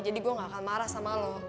jadi gue gak akan marah sama lo